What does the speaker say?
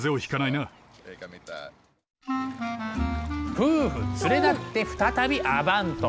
夫婦連れ立って再びアヴァント！